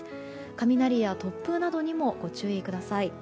雷や突風などにもご注意ください。